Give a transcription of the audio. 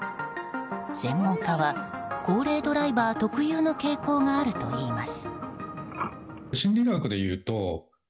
専門家は高齢ドライバー特有の傾向があるといいます。